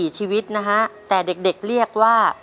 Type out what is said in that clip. ชีวิตนะฮะแต่เด็กเรียกว่า